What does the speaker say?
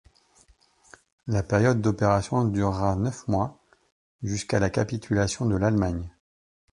La période d'opérations durera neuf mois, jusqu'à la capitulation de l'Allemagne.